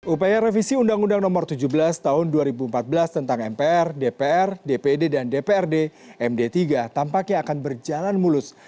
upaya revisi undang undang nomor tujuh belas tahun dua ribu empat belas tentang mpr dpr dpd dan dprd md tiga tampaknya akan berjalan mulus